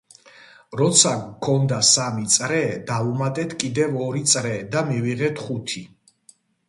როცა გვქონდა სამი წრე, დავუმატეთ კიდევ ორი წრე და მივიღეთ ხუთი.